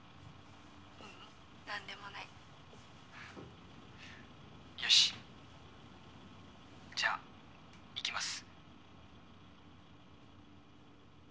ううん何でもない。よしじゃあいきます。